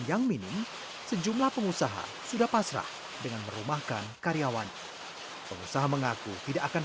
yang minim sejumlah pengusaha sudah pasrah dengan merumahkan karyawan pengusaha mengaku tidak akan